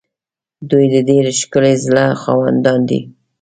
دوی د ډېر ښکلي زړه خاوندان دي.